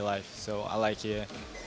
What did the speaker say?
saya suka berlatih di sini